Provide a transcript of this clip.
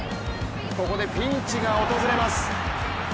ここでピンチが訪れます。